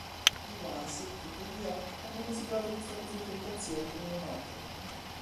I Ones, tuttavia, hanno considerato questa presunta imitazione come un omaggio.